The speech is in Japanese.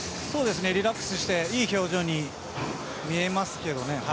リラックスしていい表情に見えますが。